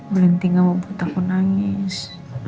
berhenti gak mau buat aku nangis